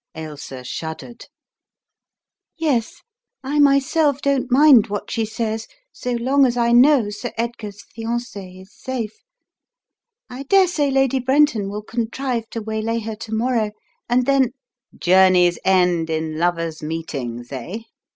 Ailsa shuddered. Which Introduces a New Friend 15 "Yes. I myself don't mind what she says, so long as I know Sir Edgar's JiancSe is safe. I daresay Lady Brenton will contrive to waylay her to morrow, and then " "Journeys end in lovers' meetings, eh?"